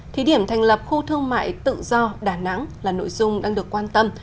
thí điểm thành lập khu thương mại tự do đà nẵng là nội dung đang được quan tâm